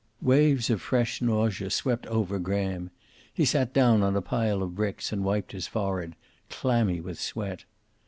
Waves of fresh nausea swept over Graham. He sat down on a pile of bricks and wiped his forehead, clammy with sweat.